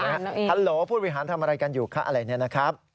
ฮัลโหลผู้บริหารทำอะไรกันอยู่คะอะไรเนี่ยนะครับ